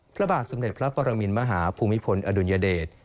พระบาทสมเด็จพระปรมินมหาภูมิพลอดุลยเดช